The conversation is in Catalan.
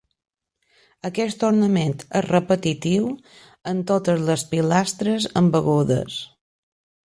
Aquest ornament és repetitiu en totes les pilastres embegudes.